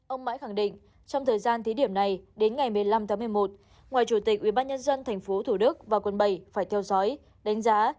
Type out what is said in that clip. ông mãi khẳng định trong thời gian thí điểm này đến ngày một mươi năm tháng một mươi một ngoài chủ tịch ubnd tp thủ đức và quận bảy phải theo dõi đánh giá